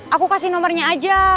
aku kasih nomernya aja